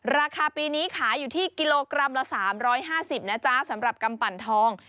ราคาปีนี้ขายอยู่ที่กิโลกรัมละ๓๕๐นะจ๊ะสำหรับกำปั่นทอง